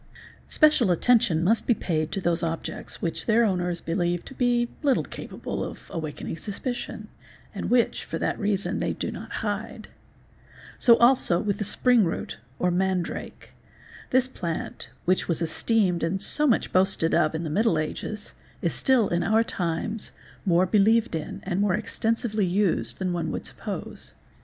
Df Special attention must be paid to those objects which their owners | believe to be little capable of awaking suspicion and which for that reason they do not hide. So also with the spring root or mandrake. This plantyy which was esteemed and so much boasted of in the middle ages, is still in our times more believed in and more extensively used than one would suppose.